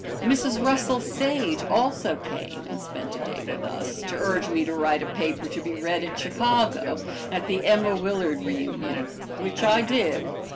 Mrs. Russell Sage also came and spent a day with us to urge me to write a paper to be read at Chicago at the Emma Willard Reunion, which I did.